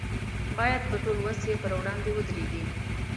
باید په ټول وس یې پر وړاندې ودرېږي.